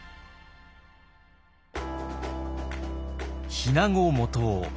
日名子元雄。